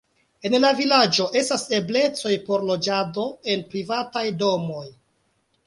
En la vilaĝo estas eblecoj por loĝado en privataj domoj.